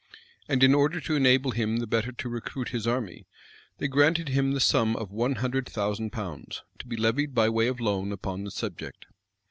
And, in order to enable him the better to recruit his army, they granted him the sum of one hundred thousand pounds, to be levied by way of loan upon the subject.